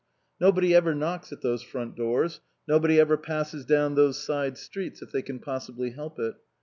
Nobody ever knocks at those front doors ; nobody ever passes down those side streets if they can possibly help it.